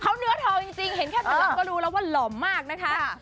เขาเนื้อทองจริงเห็นแค่แบบเราก็รู้แล้วว่าหล่อมากนะคะ